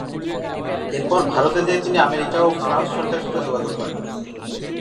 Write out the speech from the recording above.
এরপর ভারতে যেয়ে তিনি আমেরিকা ও ফ্রান্স সরকারের সাথে যোগাযোগ করেন।